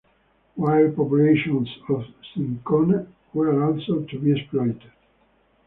Wild populations of cinchona were also to be exploited.